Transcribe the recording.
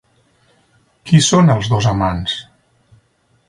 Qui són els dos amants?